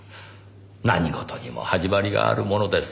何事にも始まりがあるものです。